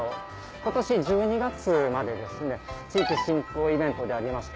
今年１２月まで地域振興イベントであります